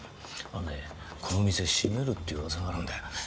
あのねこの店閉めるっていう噂があるんだよ。